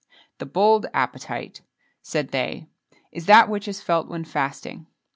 The bold appetite, said they, is that which is felt when fasting.